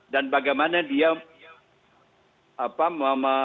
dan bagaimana dia